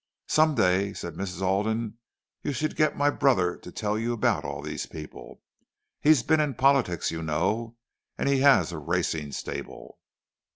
"Some day," said Mrs. Alden "you should get my brother to tell you about all these people. He's been in politics, you know, and he has a racing stable."